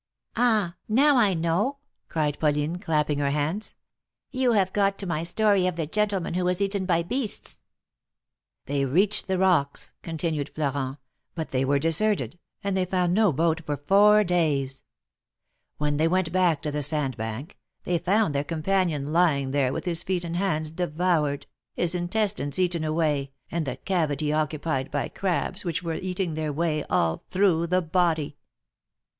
^^Ah ! now I know," cried Pauline, clapping her hands. You have got to my story of the gentleman who was eaten by beasts." "They reached the rocks," continued Florent, "but they were deserted, and they found no boat for four days. When they went back to the sand bank, they found their companion lying there with his feet and hands devoured, his intestines eaten away, and the cavity occupied by crabs, which were eating their way all through the body."